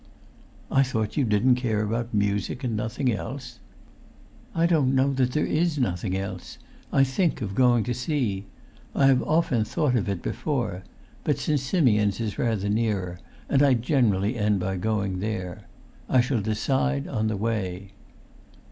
"I thought you didn't care about music and nothing else?" "I don't know that there is nothing else. I think of going to see. I have often thought of it before, but St. Simeon's is rather nearer, and I generally end by going there. I shall decide on the way."